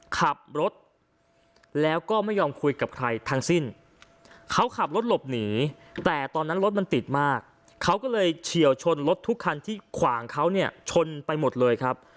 ขับรถแล้วก็ไม่ยอมคุยกับใครทั้งสิ้นเขาขับรถหลบหนีแต่ตอนนั้นรถมันติดมากเขาก็เลยเฉียวชนรถทุกคันที่ขวางเขาเนี่ยชนไปหมดเลยครับ